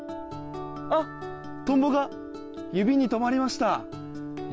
トンボが指に止まりました。